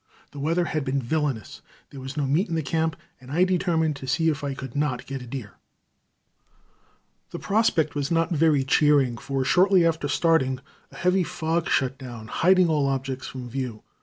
The weather had been villainous; there was no meat in the camp, and I determined to see if I could not get a deer. The prospect was not very cheering, for shortly after starting a heavy fog shut down, hiding all objects from view.